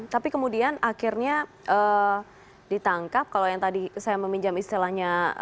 tapi kemudian akhirnya ditangkap kalau yang tadi saya meminjam istilahnya